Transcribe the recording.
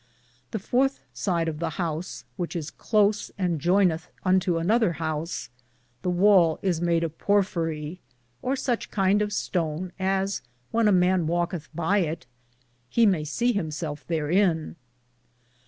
The fourthe side of the house, which is close and joynethe unto another house, the wale is made of purfeare (porphyry), or suche kinde of stone as when a man walketh by it he maye se him selfe tharin.